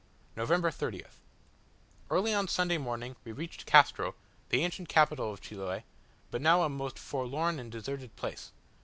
November 30th. Early on Sunday morning we reached Castro, the ancient capital of Chiloe, but now a most forlorn and deserted place.